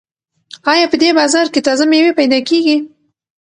ایا په دې بازار کې تازه مېوې پیدا کیږي؟